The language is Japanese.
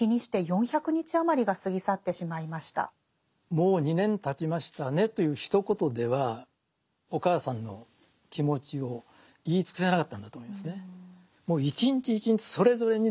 もう２年たちましたねというひと言ではお母さんの気持ちを言い尽くせなかったんだと思いますね。